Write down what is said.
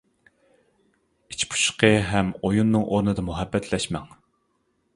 ئىچ پۇشۇقى ھەم ئويۇننىڭ ئورنىدا مۇھەببەتلەشمەڭ.